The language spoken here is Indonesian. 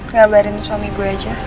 ngabarin suami gue aja